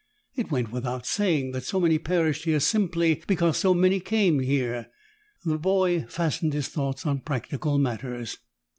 It went without saying that so many perished here simply because so many came here. The boy fastened his thoughts on practical matters.